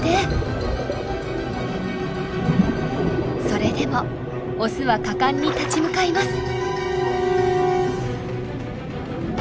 それでもオスは果敢に立ち向かいます。